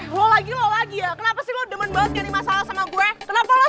hai lo lagi lo lagi ya kenapa sih lo demen banget nyari masalah sama gue kenapa lo